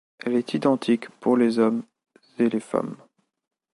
Elle est identique pour les hommes et les femmes.